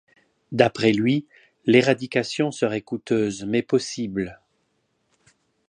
D'après lui, l'éradication serait coûteuse, mais possible.